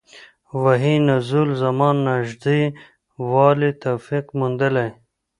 وحي نزول زمان نژدې والی توفیق موندلي.